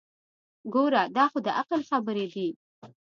ګوره دا خو دعقل خبرې دي.